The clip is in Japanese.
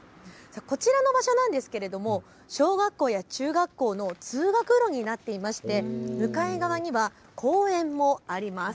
こちらの場所ですが小学校や中学校の通学路になっていて向かい側には公園もあります。